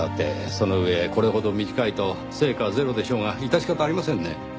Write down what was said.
その上これほど短いと成果ゼロでしょうが致し方ありませんね。